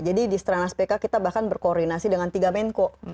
jadi di stranas pk kita bahkan berkoordinasi dengan tiga menko